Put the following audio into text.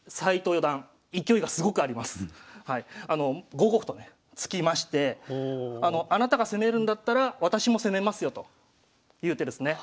５五歩とね突きましてあなたが攻めるんだったら私も攻めますよという手ですね。